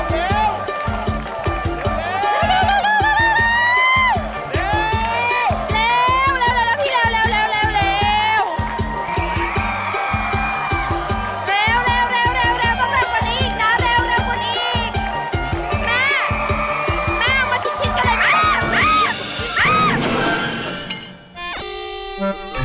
แม่มาชิดกันเลย